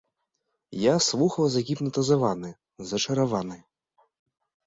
Я слухаў загіпнатызаваны, зачараваны.